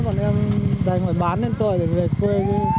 bọn em đành phải bán lên tội để về quê